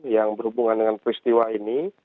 dan hubungan dengan peristiwa ini